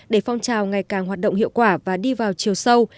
để phong trào ngày càng hoạt động hiệu quả và đi vào chiều sâu